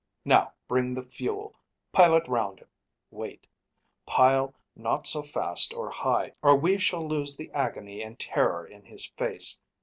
Now bring the fuel! Pile it 'round him! Wait! Pile not so fast or high! or we shall lose The agony and terror in his face.